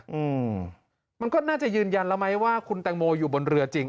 อืมมันก็น่าจะยืนยันแล้วไหมว่าคุณแตงโมอยู่บนเรือจริง